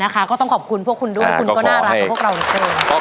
ก็ต้องขอบคุณพวกคุณดูและคุณก็น่ารักกว่าพวกเรานะครับ